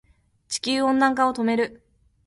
地球温暖化を止める